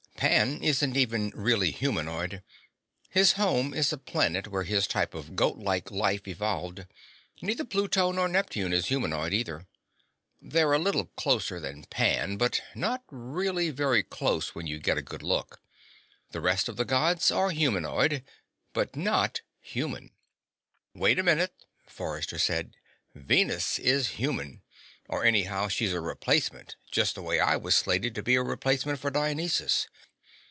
"Pan isn't even really humanoid. His home is a planet where his type of goatlike life evolved. Neither Pluto nor Neptune is humanoid, either; they're a little closer than Pan, but not really very close when you get a good look. The rest of the Gods are humanoid but not human." "Wait a minute," Forrester said. "Venus is human. Or, anyhow, she's a replacement, just the way I was slated to be a replacement for Dionysus."